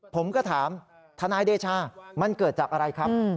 ผมก็ถามทนายเดชามันเกิดจากอะไรครับ